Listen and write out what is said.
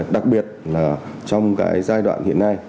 đặc biệt là trong giai đoạn hiện nay